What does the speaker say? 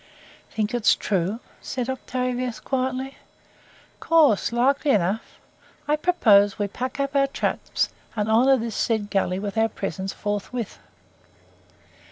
"Think it's true?" said Octavius, quietly. "Of course; likely enough. I propose we pack up our traps, and honour this said gully with our presence forthwith."